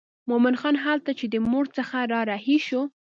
مومن خان هلته چې د مور څخه را رهي شو.